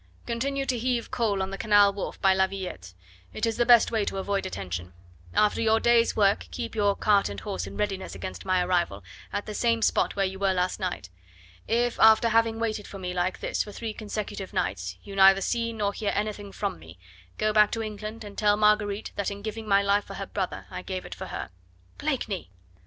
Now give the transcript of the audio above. "Continue to heave coal on the canal wharf by La Villette; it is the best way to avoid attention. After your day's work keep your cart and horse in readiness against my arrival, at the same spot where you were last night. If after having waited for me like this for three consecutive nights you neither see nor hear anything from me, go back to England and tell Marguerite that in giving my life for her brother I gave it for her!" "Blakeney